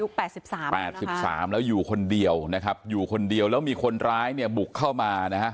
แปดสิบสามแปดสิบสามแล้วอยู่คนเดียวนะครับอยู่คนเดียวแล้วมีคนร้ายเนี่ยบุกเข้ามานะฮะ